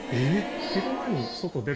えっ？